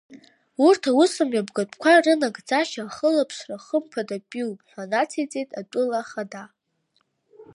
Урҭ аусмҩаԥгатәқәа рынагӡашьа ахылаԥшра хымԥадатәиуп, ҳәа нациҵеит атәыла ахада.